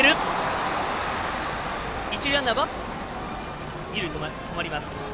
一塁ランナーは二塁止まります。